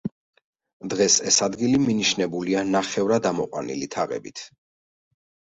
დღეს ეს ადგილი მინიშნებულია ნახევრად ამოყვანილი თაღებით.